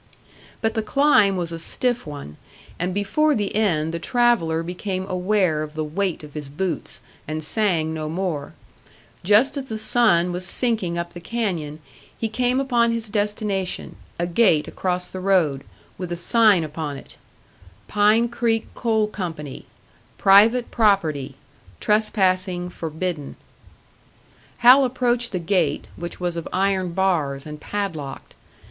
But the climb was a stiff one, and before the end the traveller became aware of the weight of his boots, and sang no more. Just as the sun was sinking up the canyon, he came upon his destination a gate across the road, with a sign upon it: PINE CREEK COAL CO. PRIVATE PROPERTY TRESPASSING FORBIDDEN Hal approached the gate, which was of iron bars, and padlocked.